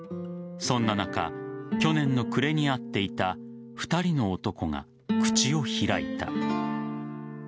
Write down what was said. そんな中去年の暮れに会っていた２人の男が口を開いた。